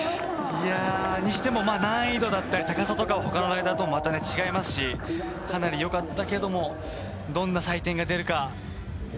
にしても難易度だったり、高さとかは他のライダーとは違いますし、かなりよかったけども、どんな採点が出るのか。